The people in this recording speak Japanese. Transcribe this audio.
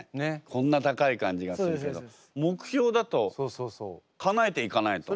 こんな高い感じがするけど目標だとかなえていかないと。